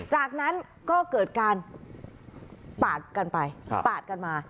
จากนั้นก็เกิดการปาดกันไปปาดกันมา